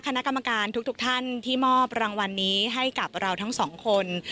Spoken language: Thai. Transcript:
คณะกรรมการทุกท่านที่มอบรางวัลนี้ให้กับเราทั้งสองคน